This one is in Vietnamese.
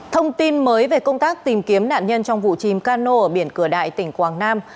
thông tin mới về công tác tìm kiếm nạn nhân trong vụ chìm cano ở biển cửa đại tỉnh quảng nam